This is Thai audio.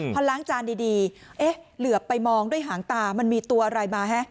พอล้างจานดีเอ๊ะเหลือไปมองด้วยหางตามันมีตัวอะไรมาฮะ